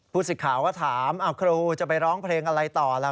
สิทธิ์ข่าวก็ถามครูจะไปร้องเพลงอะไรต่อล่ะ